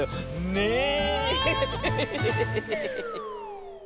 ねえ。